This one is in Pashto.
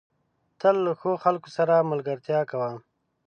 تل له ښو خلکو سره ملګرتيا کوه.